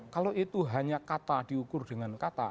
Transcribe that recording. kalau itu hanya kata diukur dengan kata